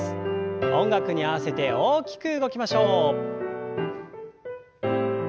音楽に合わせて大きく動きましょう。